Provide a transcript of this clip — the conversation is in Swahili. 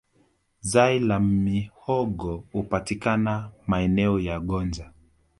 Zai la mihogo hupatikana maeneo ya gonja